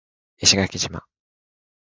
石垣島